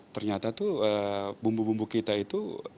ternyata tuh bumbu bumbu kita itu